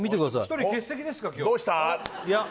１人欠席ですか今日どうした？